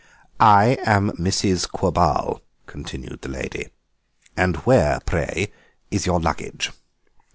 "I am Mrs. Quabarl," continued the lady; "and where, pray, is your luggage?"